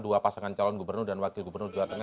dua pasangan calon gubernur dan wakil gubernur jawa tengah